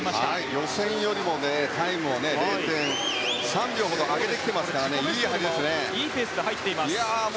予選よりもタイムを０．３秒ほど上げてきていますからいい入りですね。